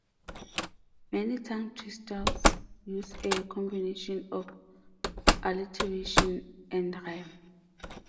Many tongue-twisters use a combination of alliteration and rhyme.